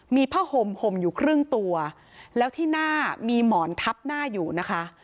มีผ้าห่มห่มอยู่ครึ่งตัวแล้วที่หน้ามีหมอนทับหน้าอยู่นะคะ